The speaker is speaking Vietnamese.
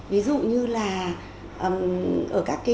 ví dụ như là ở các